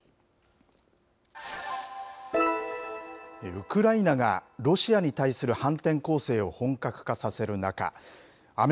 ウクライナがロシアに対する反転攻勢を本格化させる中、アメ